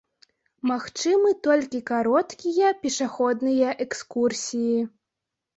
Магчымы толькі кароткія пешаходныя экскурсіі.